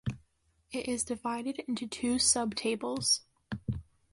It is divided into two sub-tables.